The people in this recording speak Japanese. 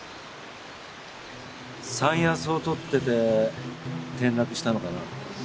山野草を採ってて転落したのかな？